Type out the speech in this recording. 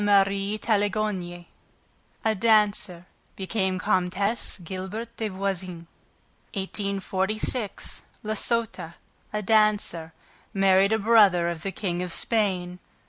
Marie Taglioni, a dancer, became Comtesse Gilbert des Voisins. 1846. La Sota, a dancer, married a brother of the King of Spain.